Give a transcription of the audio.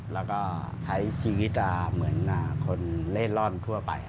แล้วก็ใช้ชีวิตเหมือนคนเล่นร่อนทั่วไป